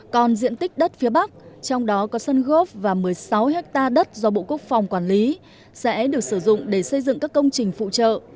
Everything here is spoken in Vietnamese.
còn diện tích đất phía bắc trong đó có sân gốp và một mươi sáu ha đất do bộ quốc phòng quản lý sẽ được sử dụng để xây dựng các công trình phụ trợ